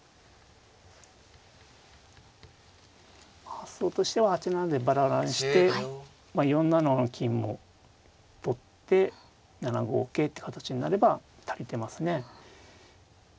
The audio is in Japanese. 発想としては８七でバラバラにして４七の金も取って７五桂って形になれば足りてますね。